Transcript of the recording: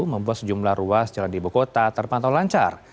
membuat sejumlah ruas jalan di bukota terpantau lancar